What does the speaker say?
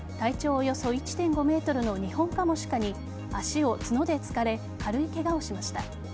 およそ１．５メートルのニホンカモシカに足を角で突かれ軽いけがをしました。